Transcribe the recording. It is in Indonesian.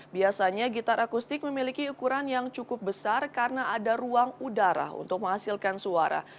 biasanya gitar akustik memiliki ukuran yang cukup besar karena ada ruang udara untuk menghasilkan suara